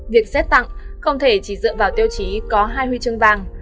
việc xét tặng không thể chỉ dựa vào tiêu chí có hai huy chương vàng